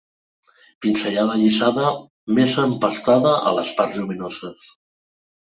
Pinzellada allisada, més empastada a les parts lluminoses.